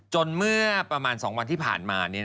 เมื่อประมาณ๒วันที่ผ่านมา